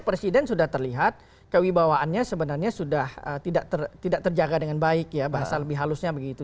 presiden sudah terlihat kewibawaannya sebenarnya sudah tidak terjaga dengan baik ya bahasa lebih halusnya begitu